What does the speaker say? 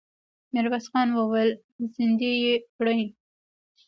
ميرويس خان وويل: زندۍ يې کړئ!